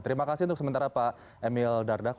terima kasih untuk sementara pak emil dardak